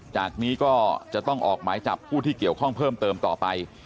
จากนี้ก็จะต้องออกหมายจับผู้ที่เกี่ยวข้องเพิ่มเติมต่อไป